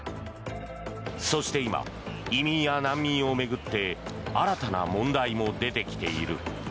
そして今、移民や難民を巡って新たな問題も出てきている。